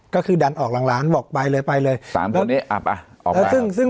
ก็คือดันออกหลังร้านบอกไปเลยไปเลยสามคนนี้อับอ่ะออกไปแล้วซึ่งซึ่ง